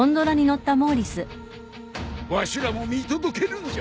わしらも見届けるんじゃ。